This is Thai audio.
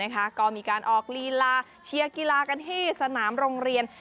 ก็มีการออกลีลาเชียร์กีฬากันที่สนามโรงเรียน